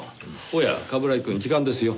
おや冠城くん時間ですよ。